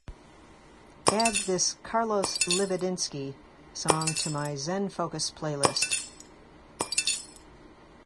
Add this carlos libedinsky song to my zen focus playlist